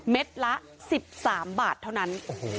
เมตรละ๑๓บาทเท่านั้น